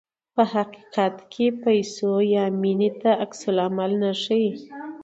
په حقیقت کې پیسو یا مینې ته عکس العمل نه ښيي.